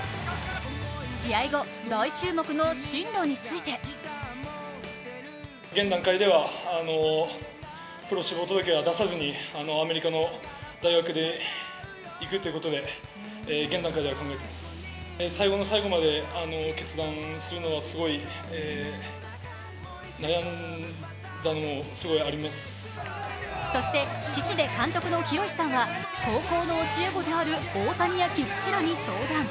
試合後、大注目の進路についてそして父で監督の洋さんは高校の教え子である大谷や菊池らに相談。